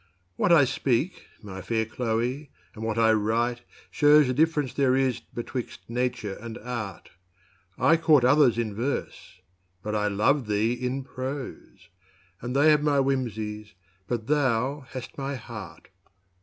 What I speak, my fair Cloe, and what I write, shews The diff'rence there is betwixt Nature and Art: I court others in verse; but I love thee in prose: And they have my whimsies; but thou hast my heart.